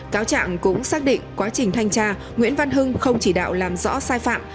cáo trạng cũng xác định quá trình thanh tra nguyễn văn hưng không chỉ đạo làm rõ sai phạm